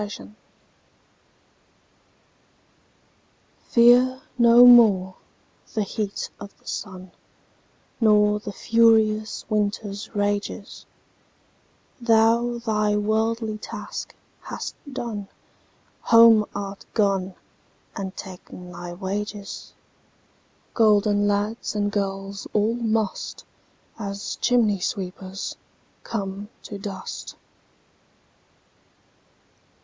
Fidele FEAR no more the heat o' the sunNor the furious winter's rages; Thou thy worldly task hast done, Home art gone and ta'en thy wages:Golden lads and girls all must, As chimney sweepers, come to dust.